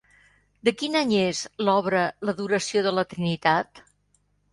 De quin any és l'obra l'Adoració de la Trinitat?